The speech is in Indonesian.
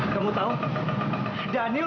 kamu jangan kel